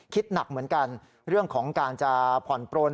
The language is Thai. คิดหนักเหมือนกันเรื่องของการจะผ่อนปลน